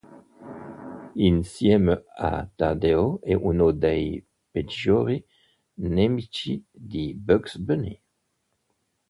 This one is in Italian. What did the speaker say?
Insieme a Taddeo, è uno dei peggiori nemici di Bugs Bunny.